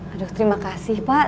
aduh terima kasih pak